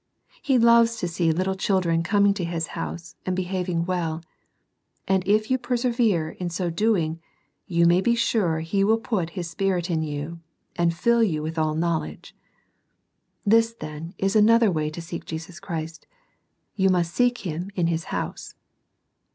He loves to see little children coming to His house, and behaving well ; and if you persevere in so doing, you may be sure He will put His Spirit in you, and fill you with all knowkds^. 124 SERMONS FOR CHILDREN. This, then, is another way to seek Jesus Christ. You must seek Him in His house.